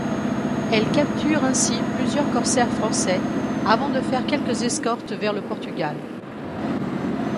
Elle capture ainsi plusieurs corsaires français, avant de faire quelques escortes vers le Portugal.